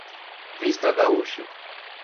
Vista Gaúcha